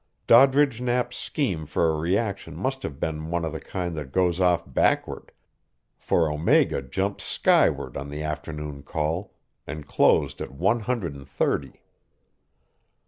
Doddridge Knapp's scheme for a reaction must have been one of the kind that goes off backward, for Omega jumped skyward on the afternoon call, and closed at one hundred and thirty.